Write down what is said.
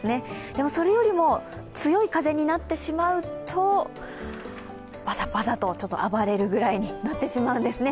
でも、それよりも強い風になってしまうとバタバタと暴れるぐらいになってしまうんですね。